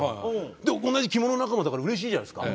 で同じ着物仲間だからうれしいじゃないですか。